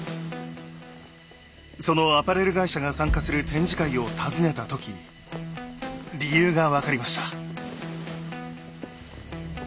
そのアパレル会社が参加する展示会を訪ねた時理由が分かりました。